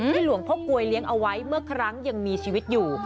หลวงพ่อกลวยเลี้ยงเอาไว้เมื่อครั้งยังมีชีวิตอยู่